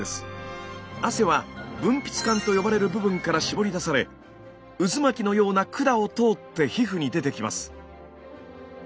汗は分泌管と呼ばれる部分からしぼり出され渦巻きのような管を通って皮膚に出てきます。